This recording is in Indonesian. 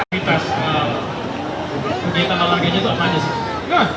penyihir tanah laganya itu apaan disitu